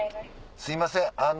すいませんあの。